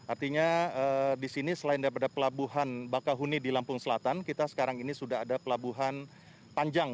artinya di sini selain daripada pelabuhan bakahuni di lampung selatan kita sekarang ini sudah ada pelabuhan panjang